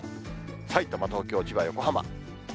さいたま、東京、千葉、横浜。